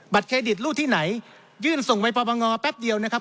เครดิตรูดที่ไหนยื่นส่งไปปปงอแป๊บเดียวนะครับ